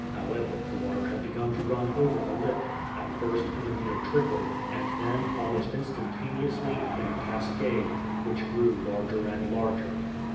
However, the water had begun to run over the lip at first, in a mere trickle, and then, almost instantaneously, in a cascade, which grew larger and larger.